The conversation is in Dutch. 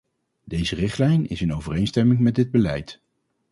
Deze richtlijn is in overeenstemming met dit beleid.